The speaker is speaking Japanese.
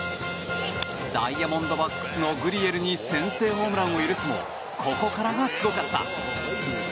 ダイヤモンドバックスのグリエルに先制ホームランを許すもここからがすごかった。